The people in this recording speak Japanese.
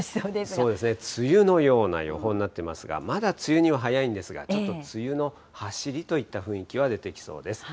そうですね、梅雨のような予報になってますが、まだ梅雨には早いんですが、ちょっと梅雨の走りといった雰囲気は出てきそうです。